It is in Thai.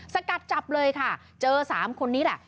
สกัดจับเลยค่ะเจอ๓คนนี้แหละ